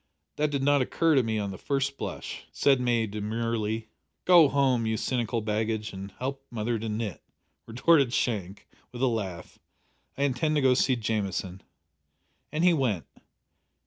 That did not occur to me at the first blush!" said May demurely. "Go home, you cynical baggage, and help mother to knit," retorted Shank, with a laugh. "I intend to go and see Jamieson." And he went.